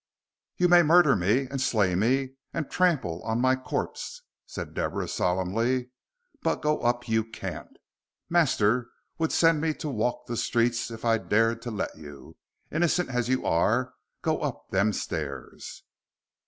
"You may murder me, and slay me, and trample on my corp," said Deborah, solemnly, "but go up you can't. Master would send me to walk the streets if I dared to let you, innocent as you are, go up them stairs."